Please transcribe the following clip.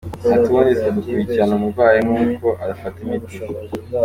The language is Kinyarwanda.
Ati “ Ubundi twe dukurikirana umurwayi n’uko afata imiti.